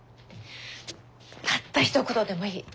たったひと言でもいい。